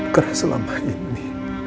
karena selama ini